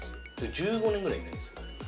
１５年ぐらい、いないんです。